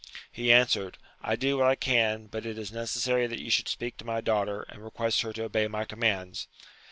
He answered, I do what I can, but it is necessary that you should speak to my daughter, and request her to obey my commands.